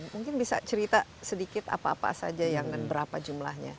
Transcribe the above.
mungkin bisa cerita sedikit apa apa saja yang dan berapa jumlahnya